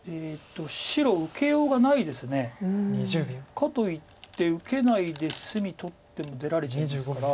かといって受けないで隅取っても出られちゃいますから。